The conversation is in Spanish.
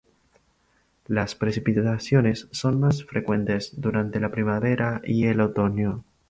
Las precipitaciones son más frecuentes durante la primavera y el otoño.